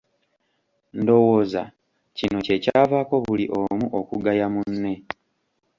Ndowooza kino kyekyavaako buli omu okugaya munne.